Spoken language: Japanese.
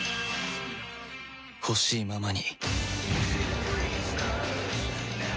ほしいままに